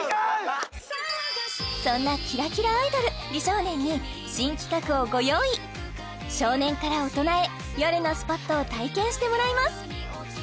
そんなキラキラアイドル美少年に新企画をご用意少年から大人へよるのスポットを体験してもらいます